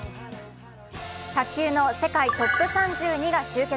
卓球の世界トップ３２が集結。